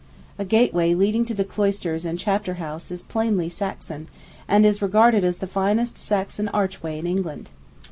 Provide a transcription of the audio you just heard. A gateway leading to the cloisters and chapter house is plainly Saxon, and is regarded as the finest Saxon archway in England.